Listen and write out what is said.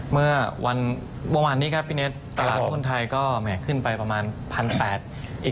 เมื่อวานนี้ครับพี่เน็ตตลาดหุ้นไทยก็แหมขึ้นไปประมาณ๑๘๐๐บาท